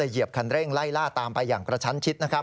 เหยียบคันเร่งไล่ล่าตามไปอย่างกระชั้นชิดนะครับ